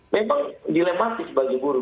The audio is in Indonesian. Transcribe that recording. memang dilematis bagi guru